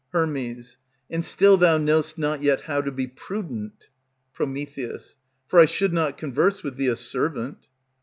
Her. And still thou know'st not yet how to be prudent. Pr. For I should not converse with thee a servant.